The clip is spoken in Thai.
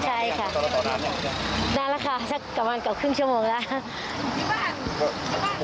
ใช่ค่ะต่อร้านยังไงนั่นแหละค่ะสักกระมาณกับครึ่งชั่วโมงแล้ว